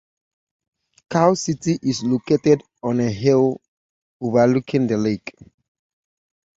Kaw City is located on a hill overlooking the lake.